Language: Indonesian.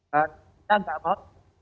kita tidak mau